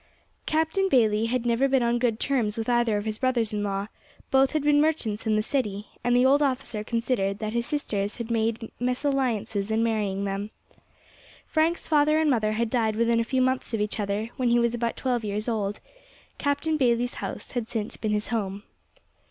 Captain Bayley had never been on good terms with either of his brothers in law; both had been merchants in the city, and the old officer considered that his sisters had made mesalliances in marrying them. Frank's father and mother had died within a few months of each other, when he was about twelve years old; Captain Bayley's house had since been his home.